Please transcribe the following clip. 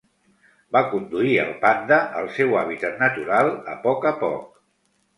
Va conduir el panda al seu hàbitat natural a poc a poc.